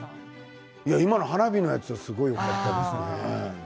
今の花火のやつはすごくよかったですね。